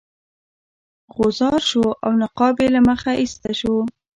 غوځار شو او نقاب یې له مخه ایسته شو.